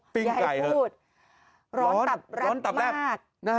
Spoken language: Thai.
ปิ้งไก่เหอะร้อนตับรับมาก